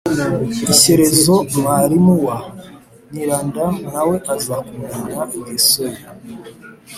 ishyerezo mwarimu wa nyiranda na we aza kumenya ingeso ye.